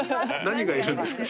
何がいるんですか？